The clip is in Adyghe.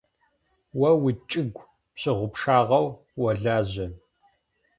О уичӏыгу пщыгъупшагъэу олажьэ.